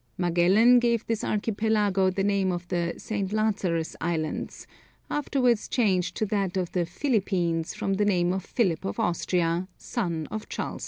Magellan gave this archipelago the name of the St. Lazarus Islands, afterwards changed to that of the Philippines from the name of Philip of Austria, son of Charles V.